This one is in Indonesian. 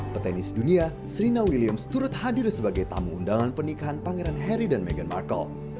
petenis dunia serina williams turut hadir sebagai tamu undangan pernikahan pangeran harry dan meghan markle